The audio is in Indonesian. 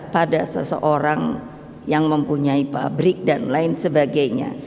pada seseorang yang mempunyai pabrik dan lain sebagainya